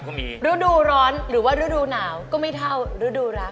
ฤดูร้อนหรือว่าฤดูหนาวก็ไม่เท่าฤดูรัก